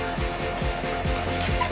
すいません。